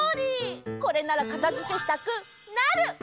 これならかたづけしたくなる！